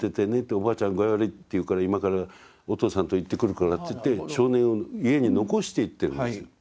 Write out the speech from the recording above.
おばあちゃん具合悪いっていうから今からお父さんと行ってくるから」って言って少年を家に残していってるんですよ。